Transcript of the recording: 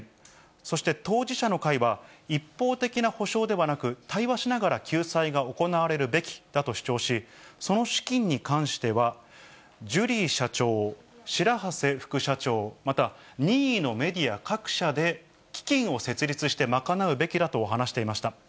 そして当事者の会は、一方的な補償ではなく、対話しながら救済が行われるべきだと主張し、その資金に関しては、ジュリー社長、白波瀬副社長、また任意のメディア各社で基金を設立して賄うべきだと話していました。